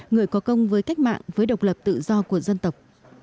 người có công với cách mạng với độc lập tự do của dân tộc